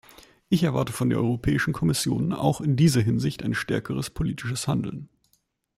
Ich erwarte von der Europäischen Kommission auch in dieser Hinsicht ein stärkeres politisches Handeln.